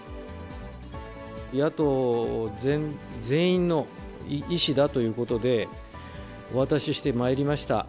野党全員の意思だということで、お渡ししてまいりました。